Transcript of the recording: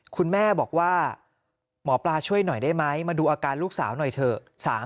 คุณแม่บอกว่าหมอปลาช่วยหน่อยได้ไหมมาดูอาการลูกสาวหน่อยเถอะ